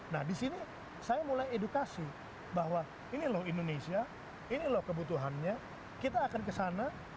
nah di sini saya mulai edukasi bahwa ini loh indonesia ini loh kebutuhannya kita akan kesana